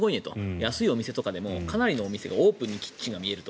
安いお店とかでもかなりのお店がオープンにキッチンが見えると。